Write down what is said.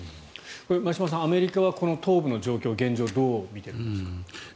前嶋さん、アメリカは東部の現状をどう見ているんですか。